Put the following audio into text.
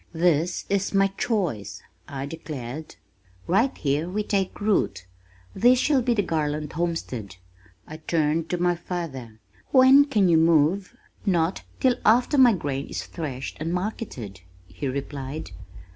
"This is my choice," I declared. "Right here we take root. This shall be the Garland Homestead." I turned to my father. "When can you move?" "Not till after my grain is threshed and marketed," he replied.